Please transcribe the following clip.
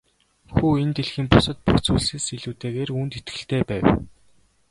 Хүү энэ дэлхийн бусад бүх зүйлсээс илүүтэйгээр үүнд итгэлтэй байв.